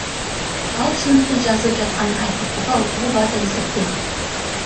Ал чындыкты жазып жатканын айтып, буга укугу бар деп эсептейт.